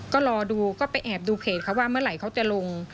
ก็รอดูก็ไปแอบดูเพจเขาว่าเมื่อไหร่เขาจะลง